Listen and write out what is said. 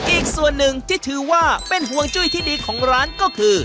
อีกส่วนหนึ่งที่ถือว่าเป็นห่วงจุ้ยที่ดีของร้านก็คือ